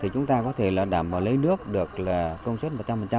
chúng ta có thể đảm bảo lấy nước được là công suất một trăm linh